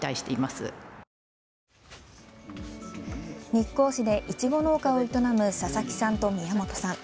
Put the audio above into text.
日光市でいちご農家を営む佐々木さんと宮本さん。